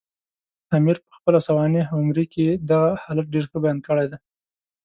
امیر پخپله سوانح عمري کې دغه حالت ډېر ښه بیان کړی دی.